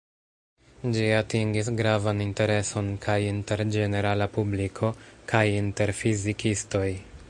Ĝi atingis gravan intereson kaj inter ĝenerala publiko, kaj inter fizikistoj.